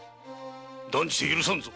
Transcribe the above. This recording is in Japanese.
断じて許さんぞ！